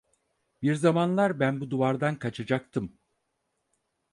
Bir zamanlar ben bu duvardan kaçacaktım!